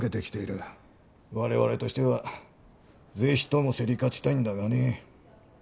我々としてはぜひとも競り勝ちたいんだがね。